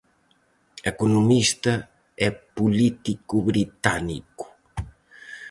Economista e político británico.